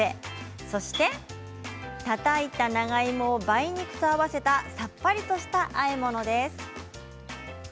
そして、たたいた長芋を梅肉と合わせたさっぱりとしたあえ物です。